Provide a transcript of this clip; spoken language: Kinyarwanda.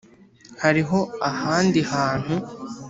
hariho ahandi hantu?